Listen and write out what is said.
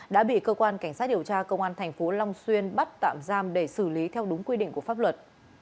đã bị cơ quan cảnh sát điều tra công an thành phố long xuyên bắt tạm giam để xử lý theo đúng quy định của pháp luật